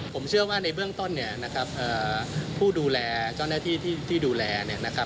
ผมเชื่อว่าในเบื้องต้นผู้ดูแลจ้อนาฬิที่ดูแล